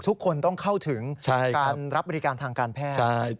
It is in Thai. ทุกคนต้องเข้าถึงการรับบริการทางการแพทย์